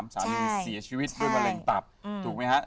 สามีเสียชีวิตด้วยมะเร็งตับถูกไหมฮะ